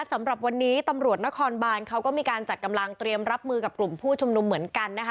สำหรับวันนี้ตำรวจนครบานเขาก็มีการจัดกำลังเตรียมรับมือกับกลุ่มผู้ชุมนุมเหมือนกันนะคะ